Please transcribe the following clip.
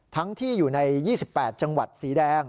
ทั้งที่อยู่ใน๒๘จังหวัดสีแดง